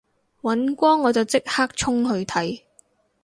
尹光我就即刻衝去睇